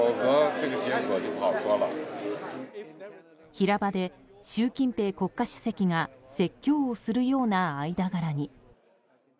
平場で習近平国家主席が説教をするような間柄に。